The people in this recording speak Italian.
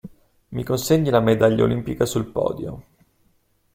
Mi consegni la medaglia Olimpica sul podio.